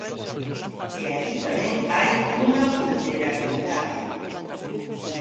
E aí tamén hai unha vulnerabilidade.